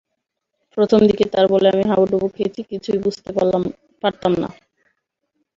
প্রথম দিকে তাঁর বলে আমি হাবুডুবু খেয়েছি, কিছুই বুঝতে পারতাম না।